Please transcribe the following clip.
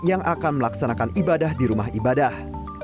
yang akan melaksanakan ibadah di rumah ibadah